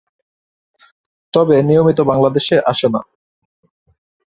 তবে নিয়মিত বাংলাদেশে আসে না।